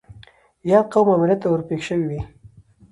ياد قوم او ملت ته ور پېښ شوي وي.